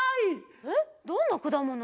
えっどんなくだもの？